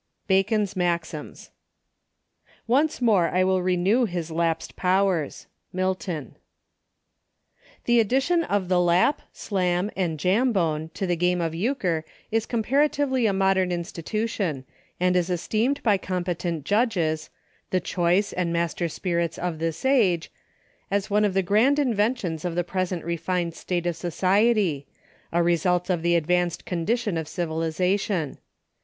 — Bacon's Maxims, " Once more I will renew His lapsed powers."— Milton. The addition of the Lap, Slam, and Jam bone, to the game of Euchre is comparatively a modern institution, and is esteemed by com petent judges— " the choice and master spirits of this age" — as one of the grand inventions of the present refined state of society — a re sult of the advanced condition of civilization.